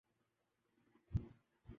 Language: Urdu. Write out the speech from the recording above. ارے بھئی جب ہم سانس باہر نکالتے ہیں